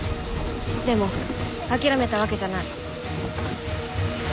でも諦めたわけじゃない。